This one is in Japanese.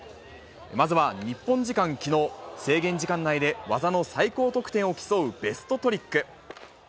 まずは日本時間きのう、制限時間内で技の最高得点を競うベストトリック。